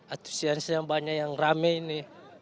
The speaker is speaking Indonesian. antusiasnya banyak yang rame ini